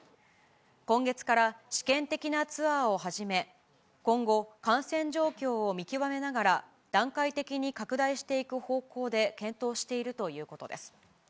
今月から試験的なツアーをはじめ、今後、感染状況を見極めながら、段階的に拡大していく方向で検討しているということです。